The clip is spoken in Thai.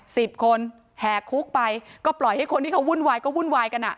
สิบคนแห่คุกไปก็ปล่อยให้คนที่เขาวุ่นวายก็วุ่นวายกันอ่ะ